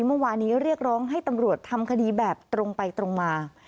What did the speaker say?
เมื่อวานี้เรียกร้องให้ตำรวจทำคดีแบบตรงไปตรงมา